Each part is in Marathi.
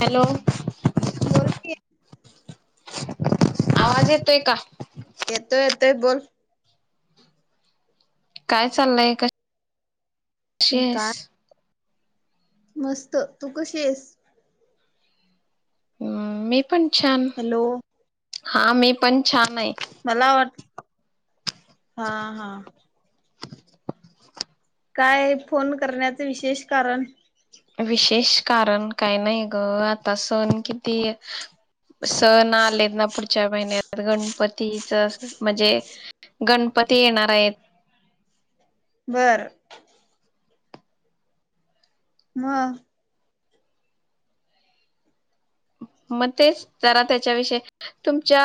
हॅलो बोल की [inaudible] [inaudible] आवाज येतोय का? येतोय तोय बोल. काय चाललंय क शी हायस? काय मस्त तू कशीयस? हम्म मी पण छान. हॅलो हा मी पण छानय. मला वाट [inaudible] हा हा. काय फोन करण्याच विशेष कारण? विशेष कारण काही नाही ग, आता सण कि ती सण आलेतना पु च्या महिन्यात गणपतीच, म्हणजे गणपती येणार आहेत. बर. म मग तेच जरा त्याच्याविषयी तुमच्या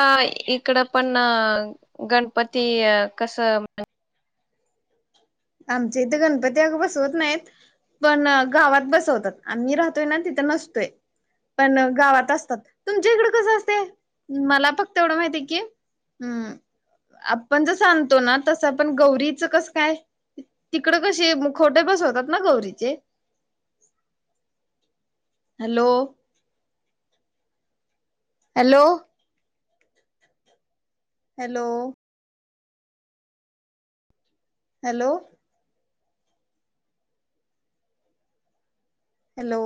इकड पण अ गणपती कसं आमच्या इथे गणपती अग बसवत नाहीत. पण गावात बसवतात आम्ही राहतोय ना तिथं नसतोय, पण गावात असतात. तुमच्या इकड कसं असते? मला फक्त एवढं माहितीय की, अं आपण जस आणतो ना तसं पण गौरीच कसं काय? तिकड कसे मुखवटे बसवतात ना गौरीचे. Hello hello hello hello hello